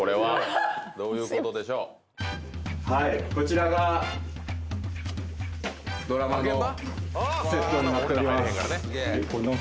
「こちらはドラマのセットになっております」